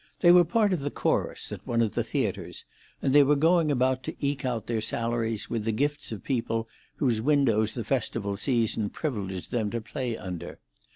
They were part of the chorus at one of the theatres, and they were going about to eke out their salaries with the gifts of people whose windows the festival season privileged them to play under.